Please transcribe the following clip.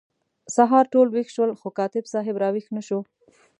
سهار ټول ویښ شول خو کاتب صاحب را ویښ نه شو.